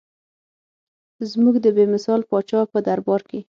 زموږ د بې مثال پاچا په دربار کې.